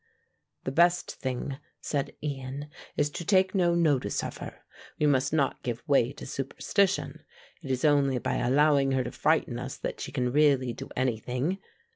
"The best thing," said Ian, "is to take no notice of her. We must not give way to superstition. It is only by allowing her to frighten us that she can really do anything.